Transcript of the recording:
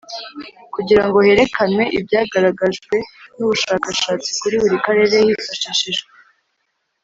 Kugira ngo herekanwe ibyagaragajwe n ubushakashatsi kuri buri karere hifashishijwe